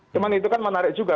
cuma itu kan menarik juga